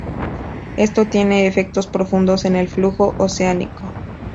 Esto tiene efectos profundos en el flujo oceánico.